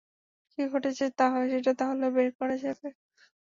কী ঘটছে সেটা তাহলে বের করা যাবে!